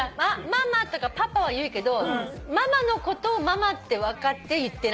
ママとかパパは言うけどママのことをママって分かって言ってない感じ。